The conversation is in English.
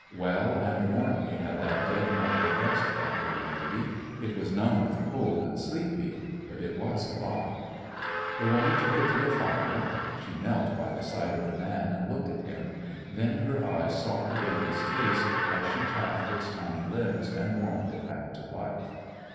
Well and warmly had that dead mother dressed that little baby. It was niunb with cold, and sleepy, but it was alive. The woman took it to the fire; she A Chriatmaa When knelt by the side of the man and looked at him; then her eyes sought the baby's face as she chafed its tiny limbs and warmed it back to life.